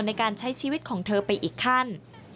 ในการใช้ชีวิตของเธอไปอีกขั้น